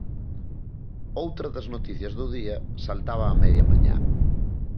Outra das noticias do día saltaba a media mañá.